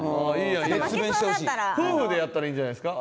夫婦でやったらいいんじゃないですか？